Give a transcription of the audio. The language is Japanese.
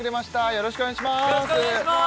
よろしくお願いします